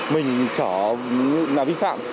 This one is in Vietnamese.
mình chở là vi phạm